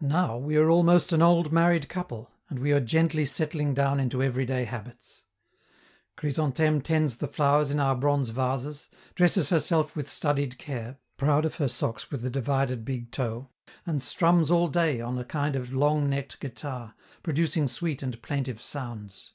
Now we are almost an old married couple, and we are gently settling down into everyday habits. Chrysantheme tends the flowers in our bronze vases, dresses herself with studied care, proud of her socks with the divided big toe, and strums all day on a kind of long necked guitar, producing sweet and plaintive sounds.